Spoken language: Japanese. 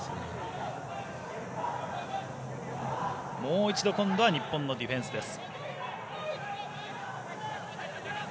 もう一度、今度は日本のディフェンスです。